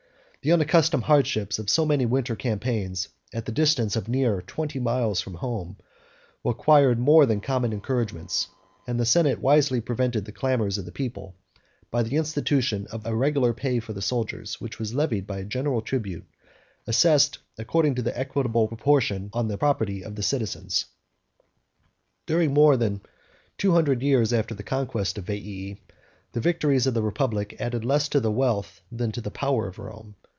The unaccustomed hardships of so many winter campaigns, at the distance of near twenty miles from home, 81 required more than common encouragements; and the senate wisely prevented the clamors of the people, by the institution of a regular pay for the soldiers, which was levied by a general tribute, assessed according to an equitable proportion on the property of the citizens. 82 During more than two hundred years after the conquest of Veii, the victories of the republic added less to the wealth than to the power of Rome.